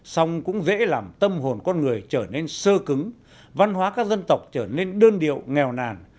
xong cũng dễ làm tâm hồn con người trở nên sơ cứng văn hóa các dân tộc trở nên đơn điệu nghèo nàn